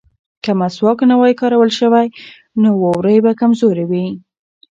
که مسواک نه وای کارول شوی نو وورۍ به کمزورې وې.